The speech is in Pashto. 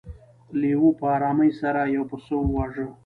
لیوه په ارامۍ سره یو پسه وواژه.